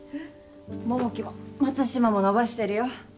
桃木も松島も伸ばしてるよ。